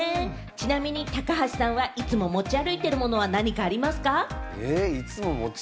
ちなみに高橋さんはいつも持ち歩いてるものは何かありますか？